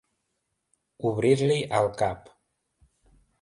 Obrir-li el cap.